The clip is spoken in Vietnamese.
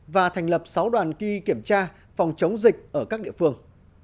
và thành lập sáu đoàn ghi kiểm tra phòng chống dịch ở các địa phương